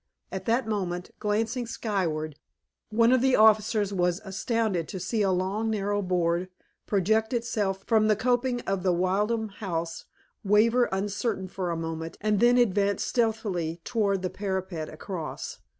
At that moment, glancing skyward, one of the officers was astounded to see a long narrow board project itself from the coping of the Wildon house, waver uncertainly for a moment, and then advance stealthily toward the parapet across.